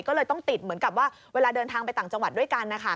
ก็เลยต้องติดเหมือนกับว่าเวลาเดินทางไปต่างจังหวัดด้วยกันนะคะ